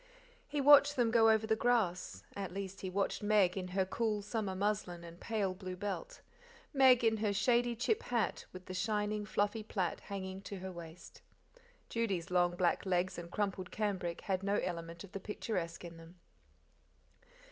He watched them go over the grass at least he watched Meg in her cool, summer muslin and pale blue belt, Meg in her shady chip hat, with the shining fluffy plait hanging to her waist. Judy's long black legs and crumpled cambric had no element of the picturesque in them.